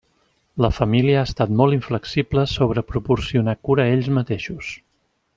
La família ha estat molt inflexible sobre proporcionar cura ells mateixos.